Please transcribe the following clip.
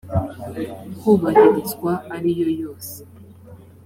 hubahirizwa ariyo yose